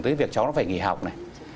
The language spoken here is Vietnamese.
tới việc cháu nó phải nghỉ học này